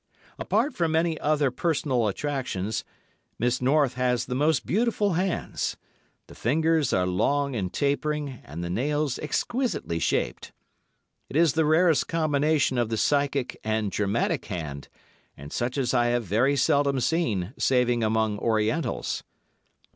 Apart from many other personal attractions, Miss North has the most beautiful hands; the fingers are long and tapering and the nails exquisitely shaped. It is the rarest combination of the psychic and dramatic hand, and such as I have very seldom seen saving among Orientals.